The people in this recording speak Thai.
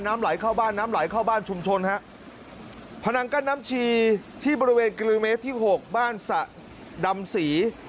น้ำไหลเข้าบ้านน้ำไหลเข้าบ้านชุมชนฮะพนังกั้นน้ำชีที่บริเวณกิโลเมตรที่หกบ้านสะดำศรี